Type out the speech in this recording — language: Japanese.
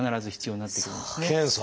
検査。